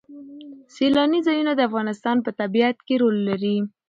سیلاني ځایونه د افغانستان په طبیعت کې رول لري.